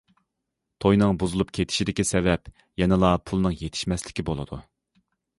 توينىڭ بۇزۇلۇپ كېتىشىدىكى سەۋەب يەنىلا پۇلنىڭ يېتىشمەسلىكى بولىدۇ.